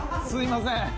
すみません。